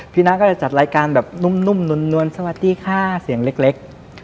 น้าก็จะจัดรายการแบบนุ่มนวลสวัสดีค่ะเสียงเล็ก